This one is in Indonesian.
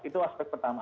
itu aspek pertama